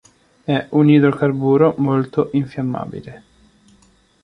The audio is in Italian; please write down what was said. È un idrocarburo molto infiammabile.